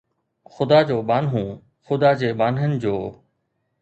خدا جو ٻانهو ، خدا جي ٻانهن جو